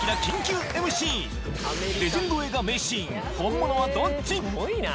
レジェンド映画名シーン本物はどっち？